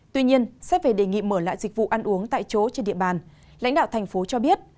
tuy nhiên xét về đề nghị mở lại dịch vụ ăn uống tại chỗ trên địa bàn lãnh đạo thành phố cho biết